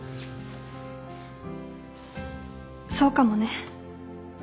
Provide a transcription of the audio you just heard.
そうかもね。